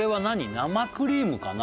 生クリームかな